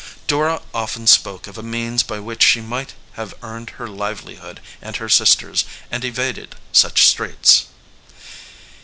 Dora often spoke of a means by which she might have earned her livelihood and her sister s, and evaded such straits.